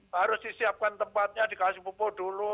harus disiapkan tempatnya dikasih pupuk dulu